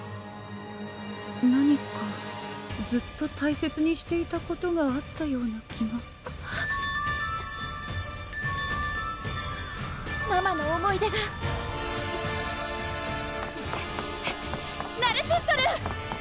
何かずっと大切にしていたことがあったような気がママの思い出がナルシストルー！